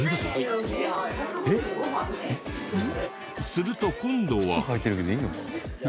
すると今度は。